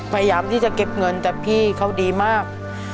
พยายามที่จะเก็บเงินแต่พี่เขาดีมาก